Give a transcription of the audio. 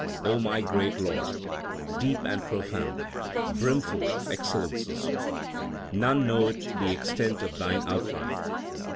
my great Lord, deep and profound, brimful of excel lences, None knoweth the extent of Thine outline.